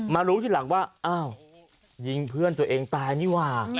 รู้ทีหลังว่าอ้าวยิงเพื่อนตัวเองตายนี่ว่า